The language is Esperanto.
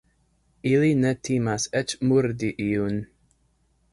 Ili ne timas eĉ murdi iun.